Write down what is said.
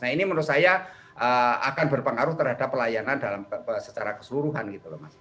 nah ini menurut saya akan berpengaruh terhadap pelayanan secara keseluruhan gitu loh mas